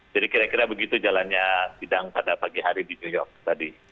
jadi kira kira begitu jalannya sidang pada pagi hari di new york tadi